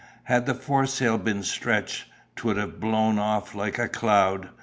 Had the foresail been stretched, 'twould have blown off like a cloud.